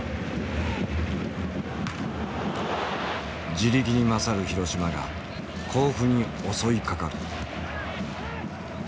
地力に勝る広島が甲府に襲いかかる。